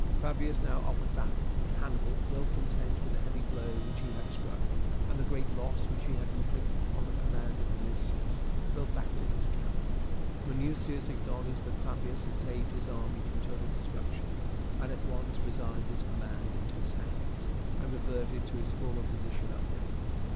Fabius now offered battle, but Hannibal, well content with the heavy blow which he had struck, and the great loss which he had inflicted upon the command of Minucius, fell back to his camp. Minucius acknowledged that Fabius had saved his army from total destruction, and at once resigned his command into his hands, and reverted to his former position under him.